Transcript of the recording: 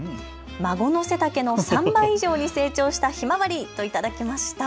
孫の背丈のの３倍以上に成長したひまわりと頂きました。